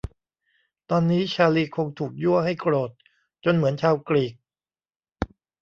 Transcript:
ตอนนี้ชาร์ลีย์คงถูกยั่วให้โกรธจนเหมือนชาวกรีก